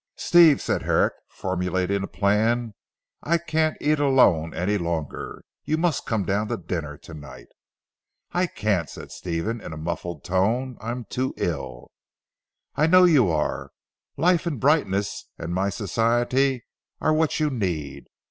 "Steve," said Herrick formulating a plan, "I can't eat alone any longer, you must come down to dinner to night." "I can't," said Stephen in a muffled tone, "I am too ill." "I know you are. Life and brightness and my society are what you need.